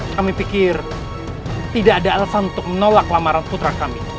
kami pikir tidak ada alasan untuk menolak lamaran putra kami